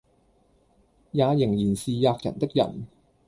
也仍然是喫人的人。